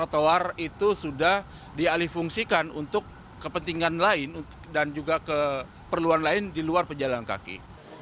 trotoar itu sudah dialih fungsikan untuk kepentingan lain dan juga keperluan lain di luar pejalan kaki